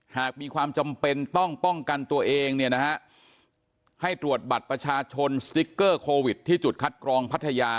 หากมีความจำเป็นต้องป้องกันตัวเองเนี่ยนะฮะให้ตรวจบัตรประชาชนสติ๊กเกอร์โควิดที่จุดคัดกรองพัทยา